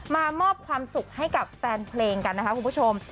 มามอบความสุขให้กับแฟนเพลงกันนะคะคุณผู้ชม